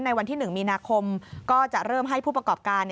วันที่๑มีนาคมก็จะเริ่มให้ผู้ประกอบการ